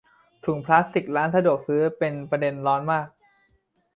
ถุงพลาสติกร้านสะดวกซื้อเป็นประเด็นร้อนมาก